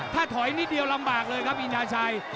ถ้าถอยนิดเดียวลำบากเลยครับอินทนาชัย